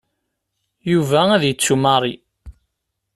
Yuba ad yettu Mary.